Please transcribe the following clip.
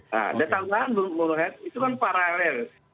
nah datangkan itu kan paralel